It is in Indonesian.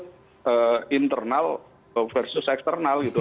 jadi semakin rumit itu internal versus eksternal gitu